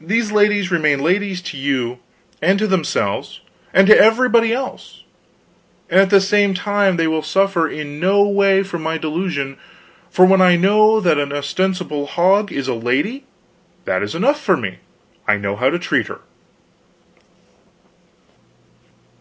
These ladies remain ladies to you, and to themselves, and to everybody else; and at the same time they will suffer in no way from my delusion, for when I know that an ostensible hog is a lady, that is enough for me, I know how to treat her."